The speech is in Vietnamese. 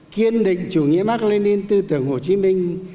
kiên định chủ nghĩa mark lenin tư tưởng hồ chí minh